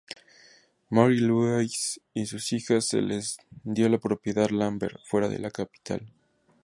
Marie-Louise y sus hijas se les dio la propiedad Lambert fuera de la Capital.